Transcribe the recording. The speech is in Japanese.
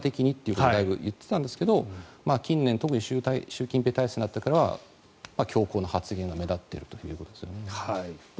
一時は平和的にとだいぶ言っていたんですが近年特に習近平体制になってからは強硬な発言が目立っているということです。